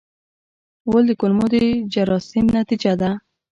غول د کولمو د جراثیم نتیجه ده.